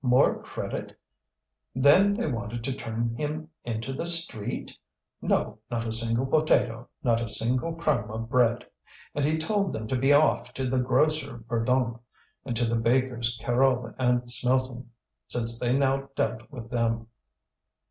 More credit! Then they wanted to turn him into the street? No, not a single potato, not a single crumb of bread! And he told them to be off to the grocer Verdonck, and to the bakers Carouble and Smelten, since they now dealt with them.